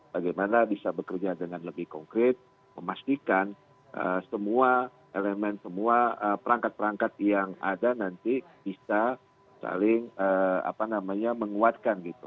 bagaimana bisa bekerja dengan lebih konkret memastikan semua elemen semua perangkat perangkat yang ada nanti bisa saling menguatkan gitu